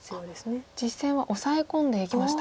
実戦はオサエ込んでいきました。